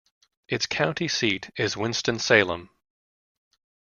Its county seat is Winston-Salem.